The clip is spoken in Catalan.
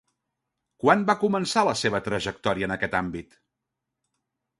Quan va començar la seva trajectòria en aquest àmbit?